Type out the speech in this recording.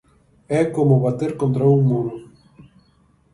É como bater contra un muro.